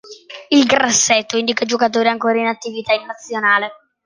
Il grassetto indica giocatori ancora in attività in nazionale.